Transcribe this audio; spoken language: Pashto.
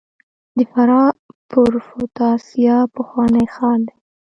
د فراه پروفتاسیا پخوانی ښار دی